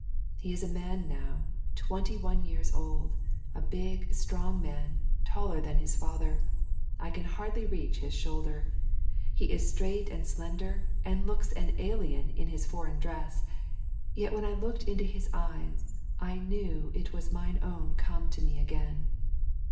He is a man now, twenty one years old, a big, strong man, taller than his father. I can hardly reach his shoulder. He is straight and slender, and looks an alien in his foreign dress, yet when I looked into his eyes I knew it was mine own come to me again.